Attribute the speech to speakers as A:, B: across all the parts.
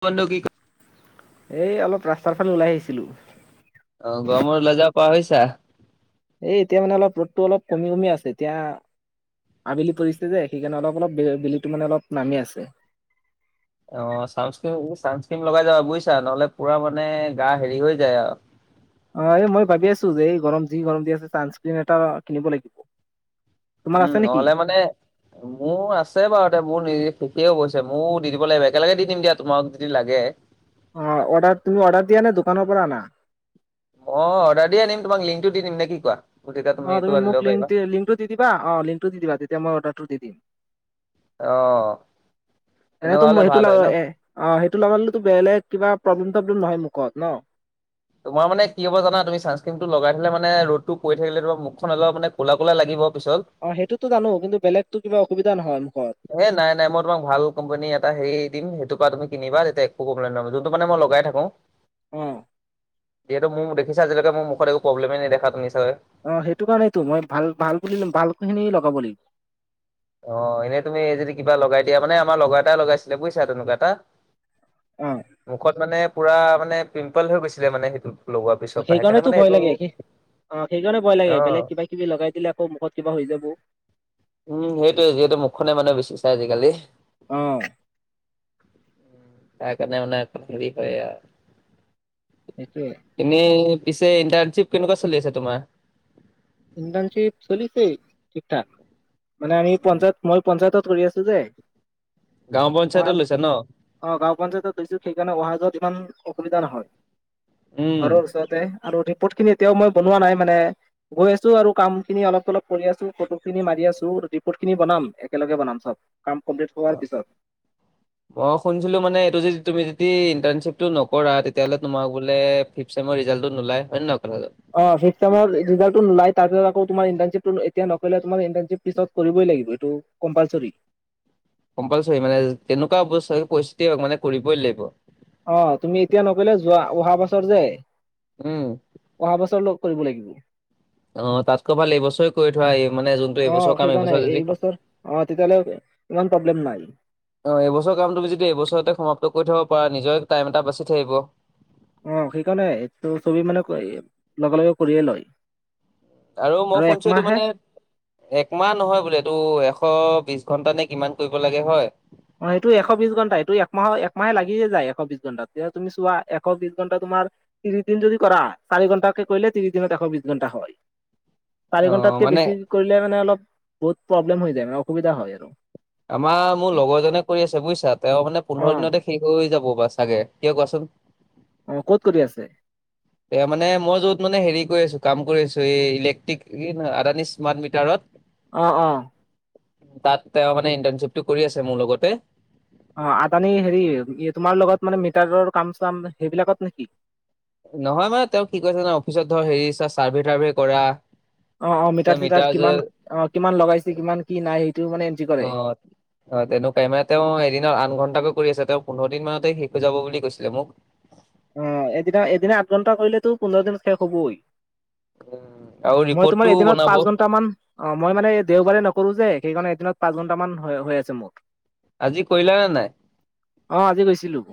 A: বনক ক
B: এই, অলপ ৰাস্তাৰ ফান ওলাই আহিছিলো।
A: অ, গৰমৰ ল, যাব পৰা হৈছা।
B: এই, এতিয়া মানে অলপ ৰ'দটো অলপ কমি, কমি আছে এতিয়া। আবেলি পৰিস্থি যে, সেইকাৰণে অলপ, অলপ বেলিটো মানে অলপ নামি আছে।
A: অ, চানস্ক, চানস্কিন লগাই যাবা বুজিছা নহ'লে পুৰা মানে গা, হেৰি হৈ যায় আৰু।
B: অ, এই, মই ভাবি আছো যে, এই গৰম যি গৰম দি আছে, চানস্ক্ৰিন এটা কিনিব লাগিব। তোমাৰ
A: উম,
B: আছে নেকি
A: নহলে মানে মোৰ আছে বাৰু এ, মোৰ নিজু সে অ কৈছে ময়ো দি দিব লাগিব। একেলগে দি দিম দিয়া, তোমাক যদি লাগে।
B: অ, অৰ্ডাৰ, তুমি অৰ্ডাৰ দিয়া ন, দোকানৰ পৰা আনা।
A: মই অৰ্ডাৰ দি আনিম। তোমাক লিংকটো দি দিম নে, কি কোৱা। তেতিয়া
B: অ,
A: এইটো
B: তুমি
A: আনি
B: মোক
A: ল'ব পাৰিবা
B: লংক, লিংকটো দি দিবা। অ, লিংকটো দি দিবা তেতিয়া মই অৰ্ডাৰটো দি দিম।
A: আহ
B: এনে সেইটো ল, এ, অ, সেইটো ল, বেলেগ কিবা প্ৰ্লেম [unintelligible] নহয় মুখত ন।
A: তোমাৰ মানে কি হব জানা তুমি নামটো লগাই থিললে মানে ৰ'তটো পৰি কৰি থাকিলে, তোৰ মুখখন অলপানে কোলা, কোলা লাগিব। পিছত
B: অ, সেইটো জানো কিলেগতো কিবা অসুবিধা নহয়। মুখত
A: এ, নাই, নাই, মই তোমাক ভাল কোম্পানী এটা হেৰি দিম সেইটোৰ পৰা তুমি কিনিবা তেতিয়া একো কম্লেই নহয়, যোনটো মে, মই লগাই থাকো।
B: অ'।
A: যিহেত ম, দেখিছে আজিলৈ ম, মুখ এক প্ৰ্লেমে দেখাটো নি
B: অ, সেইটো কাৰণেইেতো মই ভাল, ভাল বুলি ভাল খিনি লগাব লাগিব।
A: অ, এনেই তুমি যদি কিবা লগাই দিয়া মানে আমাৰ লগা এটাই লগাইছিলে বুইছা তেনেকুৱা এটা।
B: অ'।
A: মুখত মানে পুৰা মানে পিম্পল হৈ গৈছিলে মানে সেইটো। লগোৱাৰ পিছৰ পৰা
B: সেইকাৰণে তো,
A: মানে
B: ভয়
A: এইটো
B: লাগে। অ', সেইকাৰণে ভয়
A: অ
B: লাগে বেলেগ কিবা কিবি লগাই দিলে আকৌ মুখত কিবা হৈ যাব।
A: উম, সেইটোৱে যিহেতু মুখনে মানে বিছ বিচাই আজিকালি।
B: আহ।
A: তাৰ কাৰণে মানে হেৰি হয় আৰু।
B: সেইটোয়ে
A: এনেই পিছে ইণ্টাৰণশ্বিপ কেনেকুৱা চলি আছে তোমাৰ?
B: ইণ্টাৰ্ণশ্বিপ চলিছে ঠিক ঠাক। মানে আমি পঞ্চায়ত মই পঞ্চায়তত কৰি আছো যে।
A: গাঁও
B: অহা
A: পঞ্চায়তত
B: যোৱা
A: লৈছা ন
B: আহ গাঁও পঞ্চায়তত হৈছো সেইকাৰণে অহা যোৱাত ইমান অসুবিধা নহয়। ঘৰৰ
A: উম
B: ওচৰতে আৰু ৰিপৰ্টখিনি এতিয়াও মই বনোৱা নাই মানে। গৈ আছো আৰু কাম খিনি অলপ অলপ কৰি আছো ফটোখিনি মাৰি আছো ৰিপৰ্টখিনি বনাম একেলগে বনাম চব। কাম কমপ্লিট হোৱাৰ
A: অ',
B: পিছত।
A: মই শুনিছিলো মানে এইটো যে তুমি যদি ইণ্টাৰ্শ্বিপটো নকৰা তেতিয়াহ'লে তোমাৰ বোলে ফিফ চছেমৰ ৰিজাল্টো নোলায় হয় নে নহয়। কথাটো?
B: অ', ফিফ চেমৰ ৰিজাল্টো নোলায় তাৰ পিছত আকৌ তোমাৰ ইটাৰশ্বিপ এতিয়া নকৰিলে তোমাৰ ইণ্টাৰিপ পিত কৰিবই লাগিব এইটো কম্পালচৰি।
A: কম্পালচৰি মানে তেনেকুৱা নহওঁক পৰিস্থিতি মানে কৰিবই লাগিব।
B: অ', তুমি এতিয়া নকৰিলে যোৱা অহা বছৰ যে
A: উম,
B: অহা বছৰ লৈ কৰিব লাগিব।
A: অ', তাতকৈ ভাল এইবছৰে কৰি থোৱা এই মানে যোনটো
B: অ
A: এইবছৰ কাম
B: সেইকাৰণে
A: এইবছৰ যদি
B: অ', তেতিয়া হ'লে
A: অ', এইবছৰ কামটো যয়া এইবছৰতে সমাপ্ত কৰি থ'ব পাৰা নিজৰ টাইম এটা বাচি থাকিব।
B: অ', সেইকাৰণে এইটো ছবি মানে লগে লগে কৰিয়ে লয়।
A: আৰু মই শুনছো এইটো মানে একমাহ নহয় বোলে এইটো এশ বিশ ঘন্টা নে কিমান কৰিব লাগে হয়?
B: অ', সেইটো এশ বিশ ঘণ্টা এইটো একমাহৰ একমাহে লাগিয়ে যায়। এশ বিশ ঘণ্টাত এতি তুমি চোৱা এশ বিশ ঘণ্টাম তোমাৰ তিন দিন যদি কৰা চাৰি ঘন্টাকে কৰিলে তিন দিনত এশ বিশ ঘণ্টা হয়। চাৰি
A: অ'
B: ঘন্টাতকে
A: মানে
B: বেছি কৰিলে মানে অলপ বহুত প্ৰব্লেম হৈ যায় মানে অসুবিধা হয় আৰু।
A: আমাৰ মোৰ লগৰজনে কৰি আছে বুজিছা তেওঁ মানে পোন্ধৰ
B: অ',
A: দিনতে শেষ হৈ যাব বা চাগে। এই কোৱাচোন।
B: অ', ক'ত কৰি আছে?
A: এ মানে মই যত মানে হেৰি কৰি আছো কাম কৰি আছো এই ইলেক্ট্ৰিক আদানী স্মাৰ্ট মিটাৰত।
B: অহ অহ।
A: তাত তেওঁ মানে ইণ্টাৰ্ণশ্বিপটো কৰি আছে মোৰ লগতে।
B: অ', আদানি হেৰি তোমাৰ লগত মানে মিটাৰৰ কাম চাম সেইবিলাকত নেকি?
A: নহয় মানে তেওঁ কি কৰে অফিচত ধৰ হেৰি চাৰ্ভে তাৰ্ভে কৰা।
B: অ', অ', মিটাৰ চিটাৰ কিমান অ' কিমান লগাইছে কিমান কি নাই। মানে এন্ট্ৰি কৰে।
A: অ', অ', তেনেকুৱাই মানে তেওঁ এদিনৰ আঠ ঘন্টাকৈ কৰি আছে তেওঁ। পোন্ধৰ দিন মানতে শেষ হৈ যাব বুলি কৈছিলে মোক।
B: অ', এদিনা এদিনা আঠ ঘণ্টা কৰিলেতো পোন্ধৰ দিন শেষ হ'বই।
A: উম। আৰু
B: মই
A: ৰিপৰ্টটো
B: তোমাৰ এদিনত
A: বনাব
B: পাঁচ ঘন্টা মান অ' মই মানে দেওবাৰে নকৰো যে। সেইকাৰণে এদিন পাঁচ ঘন্টা মান হৈ হৈ আছে মোৰ।
A: আজি কৰিলা নে নাই?
B: অ', আজি গৈছিলো।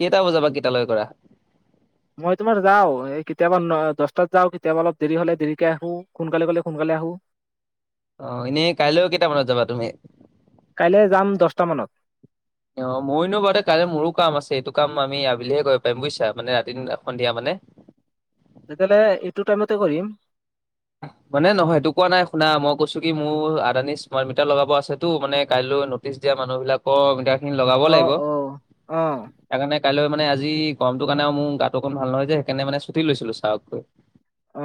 A: কেইটা বজাৰ পৰা কেইটা
B: মই তোমাৰ যাওঁ এই কেতিয়াবা ন দহ তাত যাওঁ কেতিয়াবা অলপ দেৰি হ'লে দেৰিকে আহো সোনকালে গলে সোনকালে আহো।
A: অ', এনেই কাইলৈও কেইটামানত যাবা তুমি?
B: কাইলে যাম দহটা মানত
A: অ', মইনো বাৰুতে কাইলৈ মোৰো কাম আছে এইটো। কাম আমি আবেলিহে কৰিব পাৰিম বুজিছা মানে ৰাতি সন্ধিয়া মানে।
B: তেতিয়াহ'লে এইটো টাইমতে কৰিম।
A: [inaudible] মানে নহয় এইটো কোৱা নাই শুনা, মই কৈছো কি মোৰ আদানী স্মাৰট মিটাৰ লগাব আছেটো মানে কাইলৈ নটিচ দি মানুহ বিলাকৰ মিটাৰ খিনি লগাব
B: অ
A: লাগিব।
B: অ অ
A: সেইকাৰণে কাইলৈ মানে আজি গৰমটো কাৰণে আৰু মোৰ গাটো অকণ ভাল নহয় যে। সেইকাৰণে মানে চুটি লৈছিলো ছাৰক কৈ।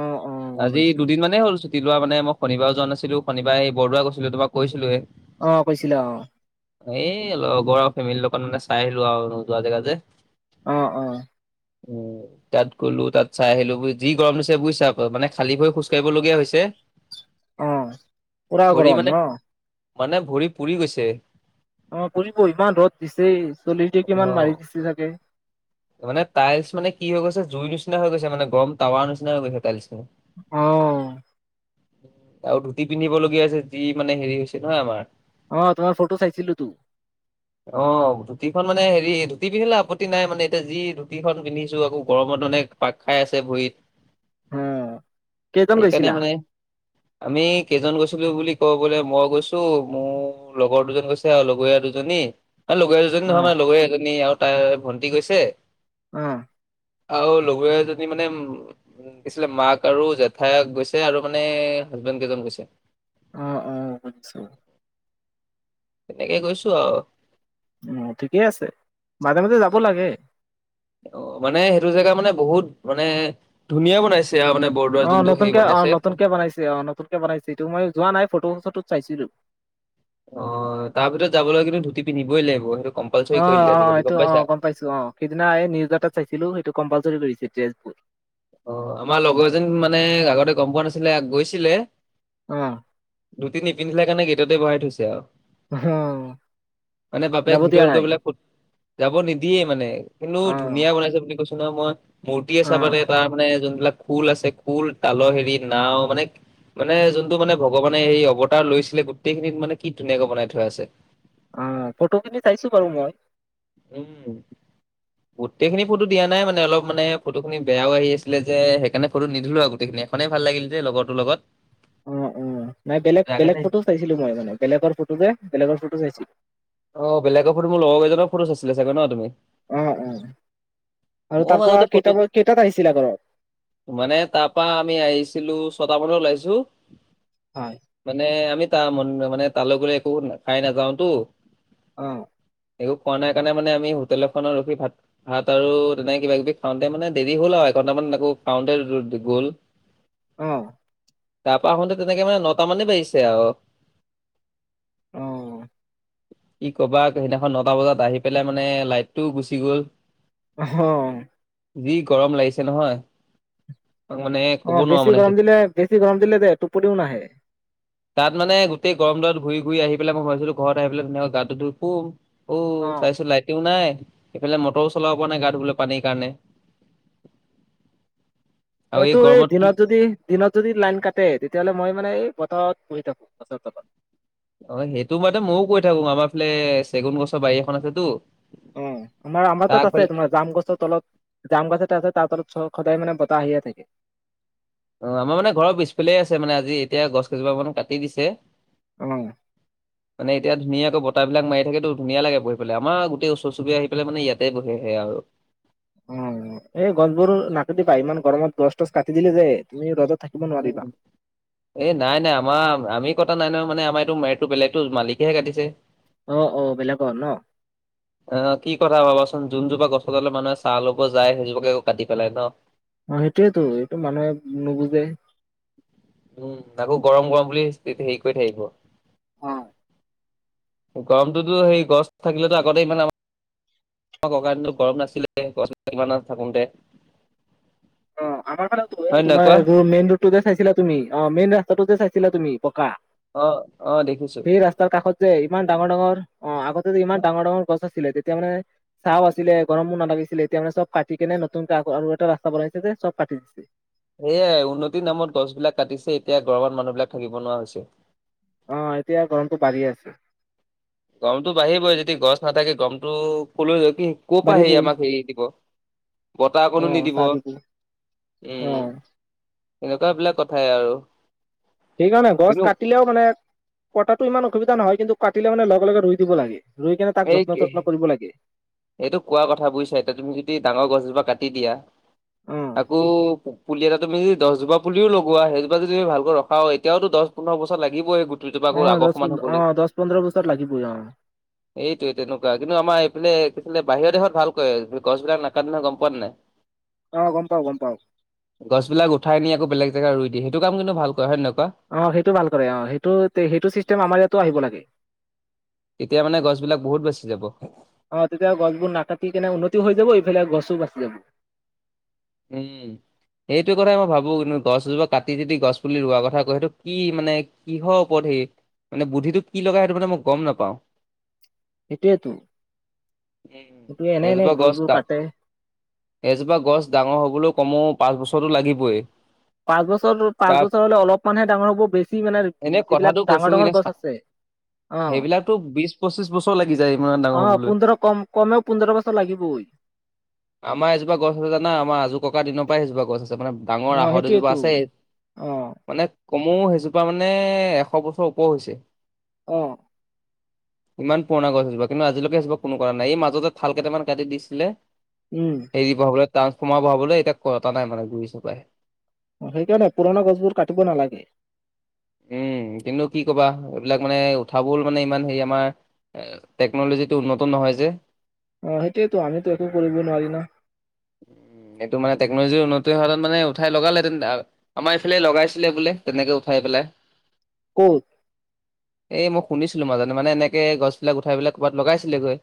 B: অ অ গম
A: আজি
B: পাইছো।
A: দুদিন হ'ল চুটিৱা লোৱা কাৰণে। মই শনিবাৰে যোৱা নাছিলো, শনিবাৰে এই বৰদোৱা গৈ তোমাক কৈছিলোৱে।
B: অ কৈছিলা অ।
A: এ লগৰ ফেমিলি লগত মানে চাই আহিলো আৰু নোযোৱা জেগা যে।
B: অহ, অহ।
A: উম। তাত গলো, তাত চাই আহিলো গৈ। যি গৰম দিছে বুজিছা, আ মানে খাল ভৰি খোজ কৰিবলগীয়া হৈছে।
B: অ, পৰা
A: ভৰি
B: গৰম
A: মানে
B: ন।
A: মানে ভৰি পুৰি গৈছে।
B: অ পুৰিব, ইমান ৰ'দ দিছে, চল্লিশ ডিগ্ৰী মান
A: অ
B: মাৰি দিছে চাগে।
A: মানে টাইলছ মানে কি হৈ গৈছে জুই নিচিনা হৈ গৈছে মানে গৰম টাৱাৰ নিচিনা হৈ গৈছে টাইলছ খিনি।
B: অ।
A: আৰু ধুতি পিন্ধিব লগীয়া হৈছে, যি মানে হেৰি হৈছে নহয় আমাৰ।
B: অ তোমাৰ ফটো চাইছিলো তো
A: হ ধুতিখন মানে হেৰি ধুতি পিন্ধিলে আপত্তি নাই মানে, এতিয়া যি ধুতিখন পিন্ধিছো আকৌ গৰমত মানে পাক খাই আছে ভৰিত।
B: উম।
A: সেইকাৰণে মানে। আমি কেইজন গৈছিলো বুলি কব গলে, মই গৈছো মোৰ লগৰ দুজন গৈছে আৰু লগৰীয়া দুজনী লগৰ দুজনী
B: অ
A: নহয় মান লগৰ এজনী আৰু তাই ভণ্টি গৈছে,
B: উম।
A: আৰু লগৰীয়াজনী মানে দিছিলে মাক আৰু জে ঠায় গৈছে আৰু মানে, হাজবেণ্ড কেইজন গৈছে৷
B: অ অ, আচ্চা।
A: তেনেকে গৈছো আৰু।
B: উ ঠিকেই আছে, মাজে মাজে যাব লাগে৷
A: অ মানে সেইটো জেগা মানে, বহুত মানে ধুনীয়া বনাইছে৷ আৰু মানে বৰদোৱাৰ
B: অ'
A: যোনটো হেৰি
B: নতুনকে,
A: বনাইছে
B: অ' নতুনকে বনাইছে, অ' নতুনকে বনাইছে এইটো মই যোৱা নাই ফটো-চটো চাইছিলো৷
A: অ' তাৰ ভিতৰত যাবলৈ কিন্তু ধুতি পিন্ধিবই লাগিব। সেইটো কম্পালচৰি কৰি
B: অ'
A: দিলে
B: অ'
A: আজিকালি
B: এইটো
A: পাইছা
B: অ' গম পাইছো অ' সিদিনা এই নিউজ এটাত চাইছিলো সেইটো কম্পালচৰি কৰিছে৷ [unintelligible]
A: অ' আমাৰ লগৰ এজন মানে আগতে গম পোৱা নাছিলে, গৈছিলে
B: অ
A: ধূটি নিপিন্ধিলে কাৰণে গেটতে বহাই থৈছে আৰু
B: অহ,
A: মানে বাপেক
B: যাব দিয়া
A: ভিতৰত গৈ
B: নাই
A: পেলাই ফুট যাব নিদিয়ে মানে, কিন্তু
B: অ
A: ধুনীয়া বনাইছে বুলি কৈছো নহয় মই, মূৰ্তি এই
B: অ
A: চাবানে মানে যোনবিলাক খুল আছে খুল, তালৰ হেৰি নাও মানে মানে, যোনটো মানে ভগৱানে সেই অৱতাৰ লৈছিলে গোটেইখিনিত মানে কি ধুনীয়াকে বনাই থোৱা আছে৷
B: অ' ফটো খিনি চাইছো বাৰু মই৷
A: উম৷ গোটেইখিনি ফটো দিয়া নাই মানে অলপ মানে ফটো খিনি বেয়াও আহি আছিলে যে সেইকাৰণে ফটো নিদিলো আৰু গোটেইখিনি এখনেই ভাল লাগিল দে লগৰটোৰ লগত
B: অ অ নাই বেলেগ-বেলেগ ফটো চাইছিলো মই মানে, বেলেগৰ ফটো যে, বেলেগৰ ফটো চাইছিলো৷
A: অ' বেলেগৰ ফটো মোৰ লগৰ কেইজনৰ ফটো চাইছিলা চাগে ন' তুমি?
B: অ' অ'। আৰু
A: মউ
B: তাৰ পৰা
A: মাজতে
B: কেইটা
A: ফটো
B: কেইটাত আহিছিলা ঘৰত
A: মানে তাৰ পৰা আমি আহিছিলো ছটা মানত ওলাইছো,
B: হয়
A: মানে আমি মানে তালে গ'লে একো খাই নাযাওতো।
B: অ'।
A: একো খোৱা নাই কাৰণে মানে আমি হোটেল এখনত ৰখি ভাত, ভাত আৰু তেনেকে কিবা কিবি খাওঁতে মানে দেৰি হ'ল আৰু এঘণ্টামান। আকৌ কাউণ্টাৰ গ'ল।
B: অ'।
A: তাৰ পৰা আহোতে তেনেকে মানে নটা মানেই বাজিছে আৰু।
B: অ'।
A: ই ক'বাত সেইদিনাখন নটা বজাত আহি পেলাই মানে, লাইটটোও গুচি গ'ল৷
B: অ'।
A: যি গৰম লাগিছে নহয়৷ তাক মানে ক'ব
B: অ',
A: নোৱাৰো
B: বেছি
A: মানে
B: গৰম
A: সেইটো
B: দিলে, বেছি গৰম দিলে যে টোপনিও নাহে৷
A: তাত মানে গোটেই গৰম ডালত ঘূৰি ঘুৰি আহি পেলাই মই ভাবিছিলোঁ ঘৰত আহি পেলাই ধুনীয়াকে গাটো ধুই শুম, অ', চাইছোঁ লাইটোও নাই৷ এফালে মটৰো চলাব পৰা নাই গা ধুবলৈ পানীৰ কাৰণে৷ আৰু
B: মইতো এই
A: গৰমত কি
B: দিনত যদি, দিনত যদি লাইন কাটে তেতিয়াহ'লে মই মানে এই পথাৰত বহি থাকোঁ গছৰ তলত।
A: অ', সেইটো মানে বহি থাকোঁ, আমাৰ ফালে চেগুন গছৰ বাৰী এখন আছেতোঁ।
B: অ', আমাৰ, আমাৰ তাত আছে, তোমাৰ জাম গছৰ তলত, জাম গছ এটা আছে তাৰ তলত। চ, সদায় মানে বতাহ আহিয়ে থাকে৷
A: অ', আমাৰ মানে ঘৰৰ পিছফালেই আছে মানে আজি এতিয়া গছ কেইজোপা মানো কাটি দিছে।
B: উম,
A: মানে এতিয়া ধুনীয়াকৈ বতাহবিলাক মাৰি থাকেতো, ধুনীয়া লাগে বহি পেলাই, আমাৰ গোটেই ওচৰ চুবুৰীয়া আহি পেলাই মানে ইয়াতে বহেহি। আৰু।
B: অ', এই গছবোৰো নাকাতিবা, ইমান গৰমত গছ তছ কাটি দিলে যে, তুমি ৰদত থাকিব নোৱাৰিবা।
A: উম, এ নাই, নাই আমাৰ আমি কটা নাই নহ মানে আমাৰ এইটো মেৰটো বেলেগটো মালিকেহে কাটিছে।
B: অ', অ', বেলেগৰ নহ।
A: অ', কি কথা ভাবাচোন, যোনজোপা গছৰ তললে মানুহে চাহ ল'ব যায়, সেইজোপাকে কাটি পেলাই ন।
B: অ', সেইটোৱেতো এইটো যিটোও মানুহে নুবুজে।
A: উম', তাকো গৰম, গৰম বুলি চে হেৰি কৰি থাকিব।
B: অ'
A: গৰমটোতো সেই গছ থাকিলেটো আগতে ইমান আমা আমাৰ ককাদিনতটো গৰম নাছিলে, গছ কিমান থাকোঁতে।
B: অ', আমাৰ ফালেও তোমাৰ
A: কোৱা?
B: মেইন ৰোড তুযে চাইছিলা তুমি অ', মেইন ৰাস্তাটো যে চাইছিলা তুমি পকা।
A: অ' অ' দেখিছো।
B: সেই ৰাস্তাৰ কাষত যে ইমান ডাঙৰ, ডাঙৰ। অ', আগতে যে ইমান ডাঙৰ, ডাঙৰ গছ আছিলে তে এতিয়া মানে চাহ আছিলে গৰমোও নালাগিছিলে, এতিয়া মানে চব কাটি কেনে নতুনকৈ আৰু এটা ৰাস্তা বনাই। তাতে চব কাটি দিছে।
A: সেইয়াই উন্নতিৰ নামত গছ বিলাক কাটিছে, এতিয়া গৰমত মানুহ বিলাক থাকিব নোৱাৰা হৈছে।
B: অ', এতিয়া গৰমটো বাঢ়ি আছে।
A: গৰমটো বাঢ়িবই, যেতিয়া গছ নাথাকে গমটো কলৈ ই ক'ৰ পৰা হেৰি
B: বাঢ়িবই
A: আমাক হেৰি দিব, বতাহ
B: অ
A: অকণো নিদিব।
B: চাহ দিবই
A: উম,
B: অ
A: এনেকুৱা বিলাক কথাই আৰু।
B: সেইকাৰণে গছ
A: কিন্তু
B: কাটিলেও মানে কটাতটো ইমান অসুবিধা নহয়, কিন্তু কাটিলে মানে লগে, লগে ৰুই দিব লাগে ৰুই কেনে তাক
A: এই
B: যত্ন-তত্ন কৰিব লাগে।
A: এইটো কোৱা কথা বুজিচা, এতিয়া তুমি যদি ডাঙৰ গছজোপা কাটি দিয়া
B: অ
A: আকৌ পুলি এটা তুমি দহজোপা পুলিও লগোৱা, সেইজোপা যদি ভালকৈ ৰখা হয়, এতিয়াও দহ পোন্ধৰ বছৰ লাগিবই। তুই জোপা
B: অ
A: গৈ আগৰ
B: দহ
A: সমান
B: অ
A: হ'বলৈ,
B: দহ পোন্ধৰ বছৰ লাগিবই অ
A: এইটোয়ে তেনেকুৱা কিন্তু আমা সেইফালে এক বাহিৰৰ দেশত ভাল কৰে, গছ বিলাক নাকাতে নহয় গম পোৱা নে নাই?
B: অ গম পাও গম পাও
A: গছবিলাক উঠাই নি আকৌ বেলেগ জাগাত ৰুই দিয়ে, সেইটো কাম কিন্তু ভাল কৰে হয় নে নহয়? কোৱা
B: অ', সেইটো ভাল কৰে অ', সেইটো, সেইটো চিষ্টেম আমাৰ ইয়াতো আহিব লাগে।
A: তেতিয়া মানে গছবিলাক বহুত বাচি যাব
B: অ, তেতিয়া গছবোৰ নাকাটি কেনে উন্নতি হৈ যাব, এইফালে গছ টোও বাচি যাব
A: [unintelligible] এইটো কথাই মই ভাবো [unintelligible] গছ এজোপা কাটি যদি গছ পুলি ৰোৱাৰ কথা কয়, সেইটো কি মানে কিহৰ ওপৰত সেই মানে বুদ্ধিটোক কি লগায়, সেইটো মানে মই গম নাপাওঁ।
B: সেইটোৱেটো
A: উম, এজোপা গছ দা,
B: কাটে
A: এজোপা গছ দা অঁ বোলো কমো পাঁচ বছৰটো লাগিবই।
B: পাঁচ বছৰটোত পাঁচ
A: তাৰ
B: বছৰ হলে অলপমানহে ডাঙৰ হ'ব বেছি মানে
A: এনে
B: যিবিলাক
A: কথাটো কৈছো
B: ডাঙৰ ডাঙৰ
A: এনে
B: গছ
A: চা-
B: আছে অ,
A: সেইবিলাকতো বিশ পঁচিশ বছৰ লাগি যায় ইমান ডাঙৰ
B: অ
A: হবলৈ।
B: পোন্ধৰ কম কমেও পোন্ধৰ বছৰ লাগিবই। [unintelligible]
A: আমাৰ এজোপা গছ আছে জানা, আমাৰ আজু ককা দিনৰ পৰাই সেইজোপা গছ আছে। তাত মানে
B: অ
A: ডাঙৰ আহত এজোপা
B: সেইটোয়েতো
A: আছে।
B: অ
A: মানে কমৌ সেইজোপা মানে এশ বছৰ ওপৰ হৈছে।
B: অহ,
A: ইমান পুৰণা গছ সেইজোপা, কিন্তু আজিলৈকে সেইজোপা কোনো কৰা নাই এই মাজতে থাল কেইটামান কাটি দিছিলে।
B: উম
A: হেৰি বহাবলৈ ট্ৰানঞ্চফৰ্মাৰ বহাবলৈ এতিয়া কটা নাই মানে ঘূৰি চপাই।
B: অ সেইকাৰণে পুৰণা গছবোৰ কাটিব নালাগে।
A: উম, কিন্তু কি কবা এইবিলাক মানে উঠাবলৈ মানে ইমান হেৰি আমাৰ টেকনলজিটো উন্নত নহয় যে।
B: অহ, সেইটোৱেটো আমিতো একো কৰিব নোৱাৰি ন?
A: গোটেই হোৱা হেতেন মানে উঠাই লগালে হেতেন, আমাৰ এইফালে লগাইছিলে বোলে তেনেকে উঠাই পেলাই।
B: ক'ত?
A: এই মই শুনিছিলো মাজতে মানে এনেকে গছবিলাক উঠাই পেলাই ক'ৰবাত লগাইছিলেগৈ।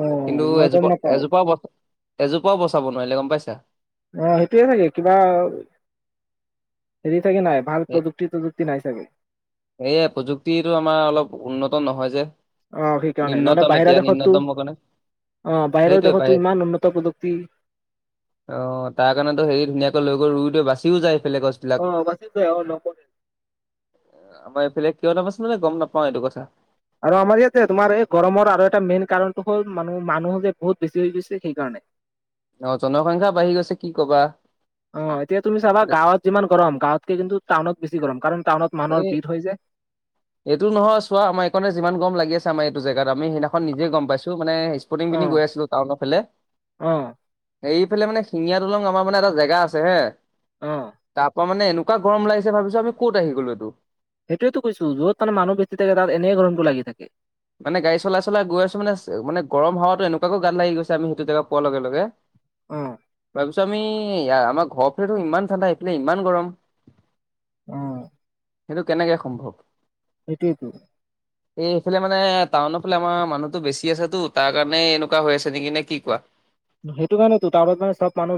B: অ
A: কিন্তু,
B: মই গম
A: এজোপা
B: নাপাও
A: এজোপাও বচ এজোপাও বচাব নোৱাৰিলে গম পাইছা।
B: অ সেইটোয়ে চাগে কিবা হেৰি চাগে নাই ভাল
A: এ
B: প্ৰযুক্তি তযুক্তি নাই চাগে।
A: সেয়ে প্ৰযুক্তিটো আমাৰ অলপ উন্নত নহয় যে
B: অ সেইকাৰণে নহ'লে
A: নিম্নতম
B: বাহিৰা
A: এতিয়া
B: দেশতটো
A: নিম্নতম কাৰণে
B: অ, বাহিৰৰ
A: সেইটোৱে পায়
B: দেশতটো ইমান উন্নত প্ৰযুক্তি।
A: অ, তাৰ কাৰণেতো হেৰি ধুনীয়াকে লৈ গৈ ৰুই দিয়ে বাচিও যায় সেইফালে গছবিলাক।
B: [unintelligible]
A: আমাৰ এইফালে কিয় নাবাচে মানে গম নাপাও এইটো কথা।
B: আৰু আমাৰ ইয়াতে তোমাৰ এই গৰমৰ আৰু এটা মেইন কাৰণটো হল মানহ মানুহ যে বহুত বেছি হৈ গৈছে সেইকাৰণে।
A: অ, জনসংখ্যা বাঢ়ি গৈছে কি কবা।
B: অ, এতিয়া তুমি চাবা গাঁৱত যিমান গৰম গাঁৱতকে কিন্তু টাউনত বেছি গৰম। কাৰণ টাউনত মানুহৰ
A: এই
B: ভিৰ হৈ যায়
A: এইটো নহয় চোৱা আমাৰ এইকাৰণে যিমান গম লাগি আছে আমাৰ এইটো জেগাত আমি সেইদিনাখন নিজে গম পাইছো মানে স্পৰ্টিং
B: অ
A: পিন্ধি গৈ আছিলো টাউনৰ ফালে
B: অ
A: এইফালে মানে শিঙীয়া দলং আমাৰ মানে এটা জেগা আছে হে
B: অ
A: তাৰ পৰা মানে এনে কুৱা গৰম লাগিছে ভাবিছো আমি কত আহি গলো এইটো।
B: সেইটোৱেটো কৈছো যত মানে মানুহ বেছি থাকে তাত এনেই গৰমতো লাগি থাকে।
A: মানে গাড়ী চলাই চলাই গৈ আছো মানে, মানে গৰম হাৱাটো এনেকুৱাকে গাত লাগি গৈছে আমি সেইটো জেগা পোৱাৰ লগে লগে
B: অ
A: [unintelligible] তমি আমাৰ ঘৰ ফালেটো ইমান ঠাণ্ডা এইফালে ইমান গৰম।
B: অ,
A: সেইটো কেনেকে সম্ভৱ?
B: সেইটোৱেইতো,
A: [unintelligible] সেইফালে মানে টাউনৰ ফালে আমাৰ মানুহটো বেছি আছেটো। তাৰ কাৰণে এনেকুৱা হৈ আছে নেকি নে কি কোৱা?
B: সেইটো কাৰণেতো তাৰ বাবে চব মানুহ